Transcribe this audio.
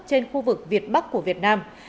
trên khu vực việt bắc của việt nam